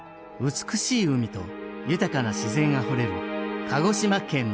美しい海と豊かな自然あふれる鹿児島県の奄美群島。